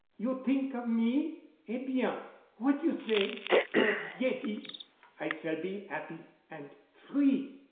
You t'ink of me? Eh bien. What you say? Forget it. I s'all be 'appy—and free."